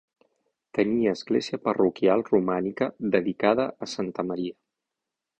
Tenia església parroquial, romànica, dedicada a santa Maria.